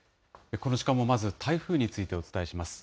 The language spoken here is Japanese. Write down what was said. この時間もまず、台風についてお伝えします。